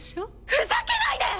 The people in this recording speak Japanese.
ふざけないで！